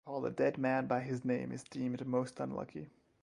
To call a dead man by his name is deemed most unlucky.